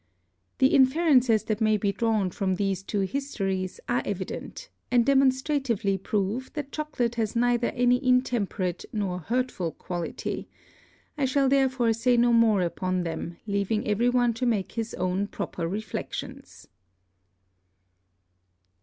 The Inferences that may be drawn from these two Histories are evident, and demonstratively prove that Chocolate has neither any intemperate nor hurtful Quality; I shall therefore say no more upon them, leaving every one to make his own proper Reflections.